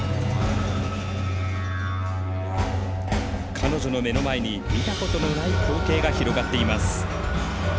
彼女の目の前に見たことのない光景が広がっています。